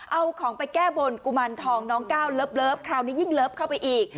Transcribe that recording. เอาของไปแก้บนกุมารทองน้องก้าวเลิฟคราวนี้ยิ่งเลิฟเข้าไปอีก